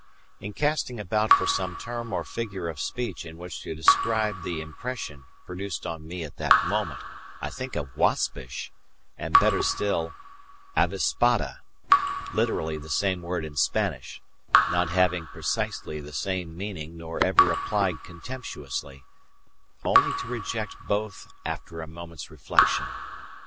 In casting about for some term or figure of speech in which to describe the impression produced on me at that moment, I think of waspish, and, better still, avispada literally the same word in Spanish, not having precisely the same meaning nor ever applied contemptuously only to reject both after a moment's reflection.